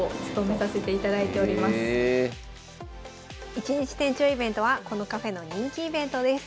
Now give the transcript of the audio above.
一日店長イベントはこのカフェの人気イベントです。